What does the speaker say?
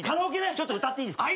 ちょっと歌っていいですか？